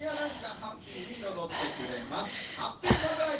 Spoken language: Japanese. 「ハッピーサプライズ」。